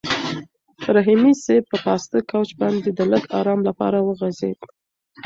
رحیمي صیب په پاسته کوچ باندې د لږ ارام لپاره وغځېد.